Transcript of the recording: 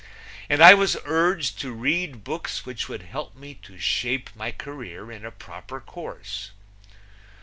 And I was urged to read books which would help me to shape my career in a proper course.